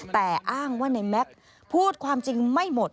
แต่อ้างว่าในแม็กซ์พูดความจริงไม่หมด